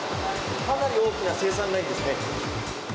かなり大きな生産ラインですね。